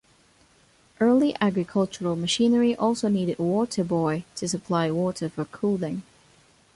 Early agricultural machinery also needed a water boy to supply water for cooling.